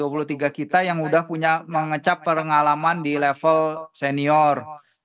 ini juga kita yang sudah punya mengecap pengalaman di level senior